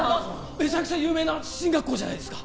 めちゃくちゃ有名な進学校じゃないですか